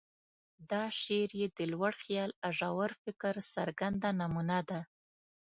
دا شعر یې د لوړ خیال او ژور فکر څرګنده نمونه ده.